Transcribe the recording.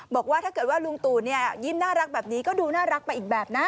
บอกว่าถ้าเกิดว่าลุงตู่ยิ้มน่ารักแบบนี้ก็ดูน่ารักไปอีกแบบนะ